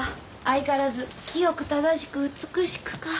相変わらず「清く正しく美しく」か。